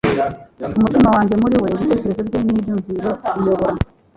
umutima wanjye muri we ibitekerezo bye nibyumviro biyobora